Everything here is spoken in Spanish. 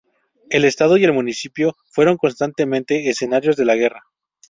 El estado y el municipio fueron constantemente escenarios de la guerra.